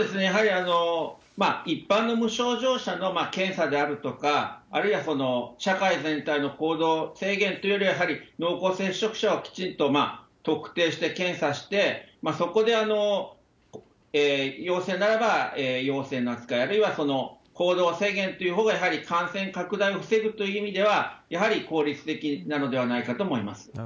やはり一般の無症状者の検査であるとか、あるいは社会全体の行動制限というよりは、やはり濃厚接触者をきちんと特定して検査して、そこで陽性ならば陽性の扱い、あるいは行動制限というほうがやはり感染拡大を防ぐという意味では、やはり効率的なのではないかと思います。